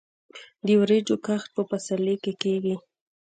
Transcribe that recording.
د وریجو کښت په پسرلي کې کیږي.